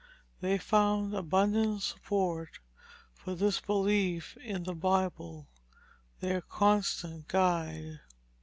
They found abundant support for this belief in the Bible, their constant guide.